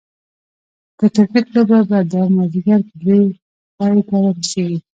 د کرکټ لوبه به دا ماځيګر په دري پايي ته رسيږي